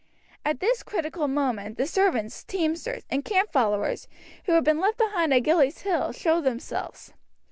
At this critical moment the servants, teamsters, and camp followers who had been left behind Gillies Hill, showed themselves.